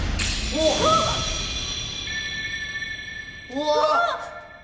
うわ！